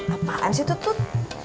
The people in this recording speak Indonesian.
apaan sih tut tut